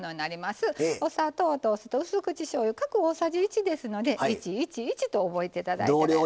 お砂糖とうす口しょうゆ各大さじ１ですので１１１と覚えていただいたら。